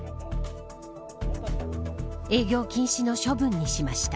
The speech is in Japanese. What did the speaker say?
営業禁止の処分にしました。